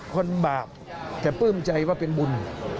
คนบาปแต่ปลื้มใจว่าเป็นบุญ